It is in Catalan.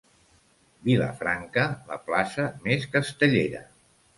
Vilafranca, la plaça més castellera.